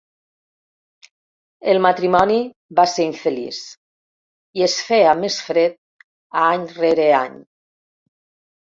El matrimoni va ser infeliç i es feia més fred any rere any.